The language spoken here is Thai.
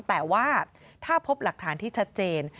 แต่ว่าถ้าพบหลักฐานที่ชัดเจน